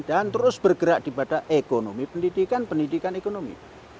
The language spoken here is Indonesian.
dan terus bergerak di pada ekonomi pendidikan pendidikan ekonomi